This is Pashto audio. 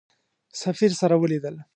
سفیر سره ولیدل.